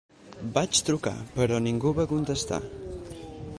Vaig trucar, però ningú va contestar.